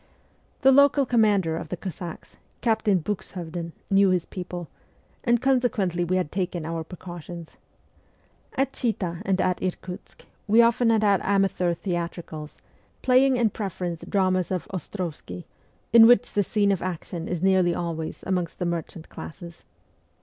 The local commander of the Cossacks, Captain Buxhovden, knew his people, and consequently we had taken our precautions. At Chita and at Irkutsk we often had had amateur theatricals, playing in preference dramas of Ostrovsky, in which the scene of action is nearly always amongst the merchant classes.